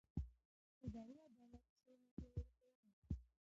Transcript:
اداري عدالت سوله پیاوړې کوي